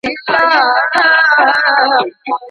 که ماشومان لیکل هیر کړي نو علمي زیان ویني.